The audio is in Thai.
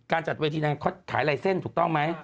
การจัดเวทีนั้นเขาขายไล่เส้นถูกต้องไหม